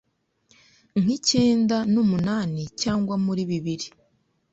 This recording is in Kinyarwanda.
nk’icyenda numunani cyangwa muri bibiri